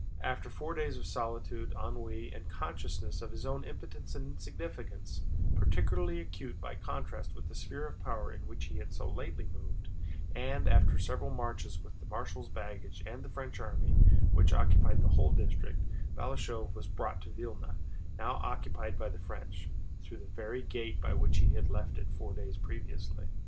After four days of solitude, ennui, and consciousness of his impotence and insignificance—particularly acute by contrast with the sphere of power in which he had so lately moved—and after several marches with the marshal's baggage and the French army, which occupied the whole district, Balashëv was brought to Vílna—now occupied by the French—through the very gate by which he had left it four days previously.